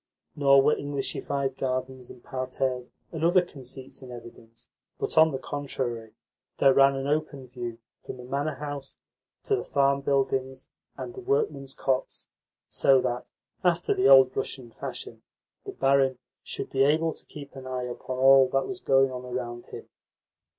Nor were Englishified gardens and parterres and other conceits in evidence, but, on the contrary, there ran an open view from the manor house to the farm buildings and the workmen's cots, so that, after the old Russian fashion, the barin should be able to keep an eye upon all that was going on around him.